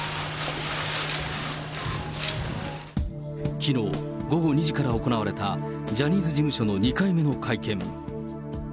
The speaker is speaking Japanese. きのう午後２時から行われたジャニーズ事務所の２回目の会見。